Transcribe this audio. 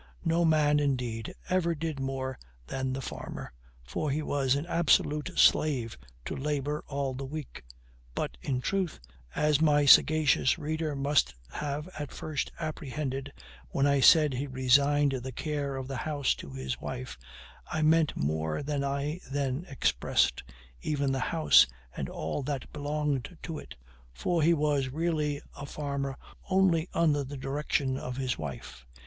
No man, indeed, ever did more than the farmer, for he was an absolute slave to labor all the week; but in truth, as my sagacious reader must have at first apprehended, when I said he resigned the care of the house to his wife, I meant more than I then expressed, even the house and all that belonged to it; for he was really a farmer only under the direction of his wife.